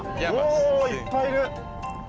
おいっぱいいる！